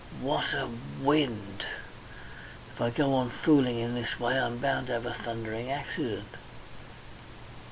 What a wind! If I go on fooling in this way I'm bound to have a thundering accident!...